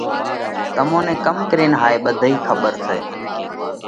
تمون نئہ ڪم ڪرينَ هائي ٻڌئِي کٻر سئہ؟